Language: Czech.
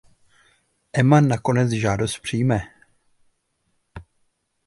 Emma nakonec žádost přijme.